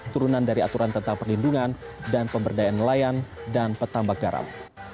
turunan dari aturan tentang perlindungan dan pemberdayaan nelayan dan petambak garam